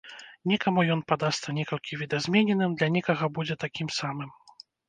Некаму ён падасца некалькі відазмененым, для некага будзе такім самым.